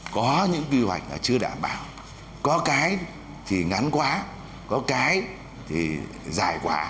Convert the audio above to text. có những quy hoạch là chưa đảm bảo có cái thì ngắn quá có cái thì dài quá